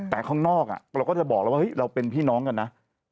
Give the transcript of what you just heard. แต่ข้างนอกเราก็จะบอกแล้วว่าเราเป็นพี่น้องกันนะ